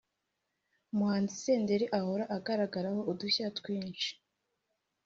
umuhanzi Senderi ahora agaragaraho udushya twinshi